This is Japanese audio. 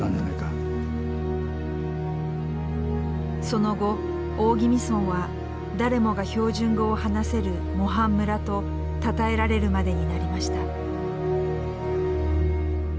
その後大宜味村は誰もが標準語を話せる模範村とたたえられるまでになりました。